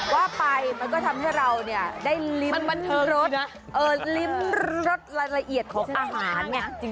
ว่าไปมันก็ทำให้เราเนี่ยได้ลิ้มรสละเอียดของอาหารเนี่ย